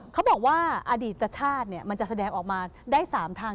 เขาบอกว่าอดีตชาติมันจะแสดงออกมาได้๓ทาง